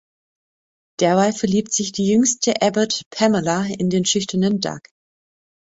Derweil verliebt sich die jüngste Abbott, Pamela, in den schüchternen Doug.